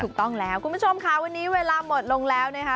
ถูกต้องแล้วคุณผู้ชมค่ะวันนี้เวลาหมดลงแล้วนะคะ